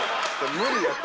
無理やて。